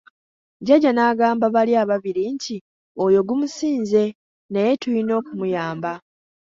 Jjaja n'agamba bali ababiri nti, oyo gumusinze, naye tuyina okumuyamba.